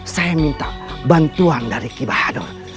saya minta bantuan dari ki bahadur